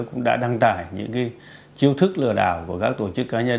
cũng đã đăng tải những chiêu thức lừa đảo của các tổ chức cá nhân